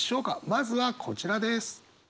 まずはこちらです。